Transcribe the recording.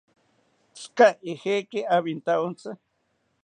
¿Tzika ijekaki awintawontzi?